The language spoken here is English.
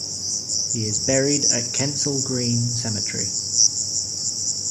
He is buried at Kensal Green Cemetery.